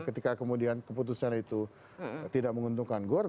ketika kemudian keputusan itu tidak menguntungkan gore